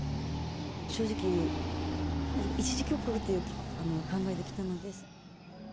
正直、一時帰国という考えで来たので。